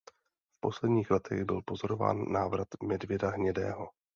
V posledních letech byl pozorován návrat medvěda hnědého.